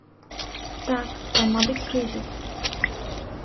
Так, там, мабыць, крызіс.